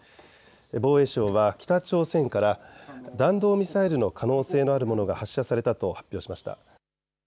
防衛省は北朝鮮から弾道ミサイルの可能性のあるものが発射されたと発表しました。